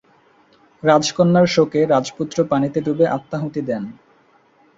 রাজকন্যার শোকে রাজপুত্র পানিতে ডুবে আত্মাহুতি দেন।